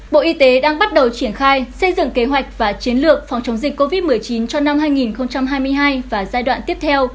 bộ y tế đang bắt đầu triển khai xây dựng kế hoạch và chiến lược phòng chống dịch covid một mươi chín cho năm hai nghìn hai mươi hai và giai đoạn tiếp theo